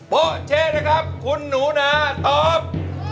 โป๊เช๊นะครับคุณหนูนาตอบ